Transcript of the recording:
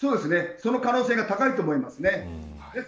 その可能性が高いと思います。